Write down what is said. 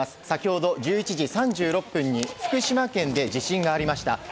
先ほど１１時３６分に福島県で地震がありました。